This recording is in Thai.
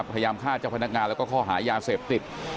พยายามฆ่าเจ้าพนักงานแล้วก็ข้อหายาเสพติด